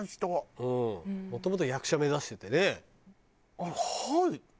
もともとは役者目指しててね。